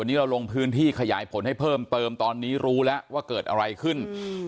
วันนี้เราลงพื้นที่ขยายผลให้เพิ่มเติมตอนนี้รู้แล้วว่าเกิดอะไรขึ้น